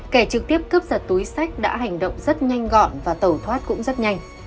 kẻ trực tiếp cướp giật túi sách đã hành động rất nhanh gọn và tẩu thoát cũng rất nhanh